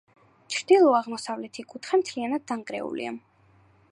ჩრდილო-აღმოსავლეთი კუთხე მთლიანად დანგრეულია.